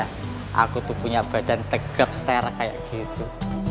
hai aku tuh punya badan tegap setara kayak gitu